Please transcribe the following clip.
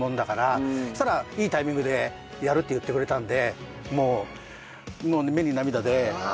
そしたらいいタイミングでやるって言ってくれたんで。